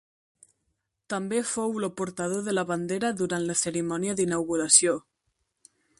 També fou el portador de la bandera durant la cerimònia d'inauguració.